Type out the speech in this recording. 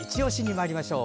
まいりましょう。